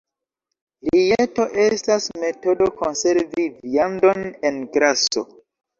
Rijeto estas metodo konservi viandon en graso.